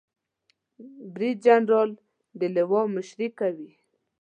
بریدجنرال د لوا مشري کوي